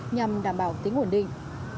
nhằm đảm bảo tính ổn định